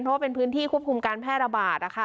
โทษเป็นพื้นที่ควบคุมการแพร่ระบาดนะคะ